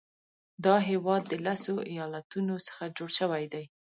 دا هیواد د لسو ایالاتونو څخه جوړ شوی دی.